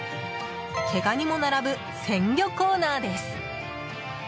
毛ガニも並ぶ鮮魚コーナーです。